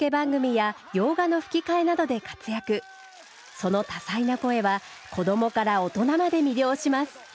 その多彩な声は子どもから大人まで魅了します。